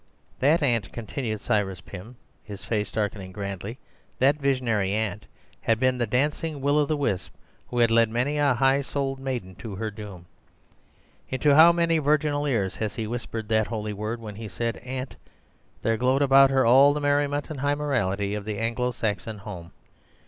That aunt," continued Cyrus Pym, his face darkening grandly—"that visionary aunt had been the dancing will o' the wisp who had led many a high souled maiden to her doom. Into how many virginal ears has he whispered that holy word? When he said 'aunt' there glowed about her all the merriment and high morality of the Anglo Saxon home.